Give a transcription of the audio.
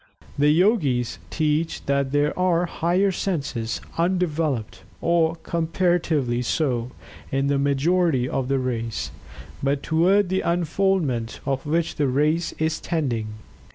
The Yogis teach that there are higher senses, undeveloped, or comparatively so, in the majority of the race, but toward the unfoldment of which the race is tending.